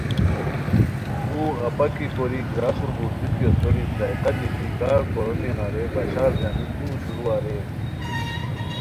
اوغ اپاکی کوری گراسو بوردوکیو سوری تھائقہ دیتی کار کورومیانہ رے بشار گانی لوُ شروع اریر